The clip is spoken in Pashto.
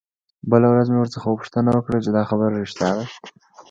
بله ورځ مې ورڅخه پوښتنه وکړه چې دا خبره رښتيا ده.